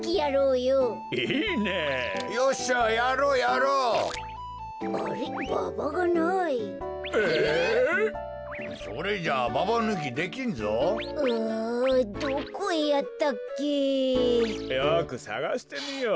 よくさがしてみよう。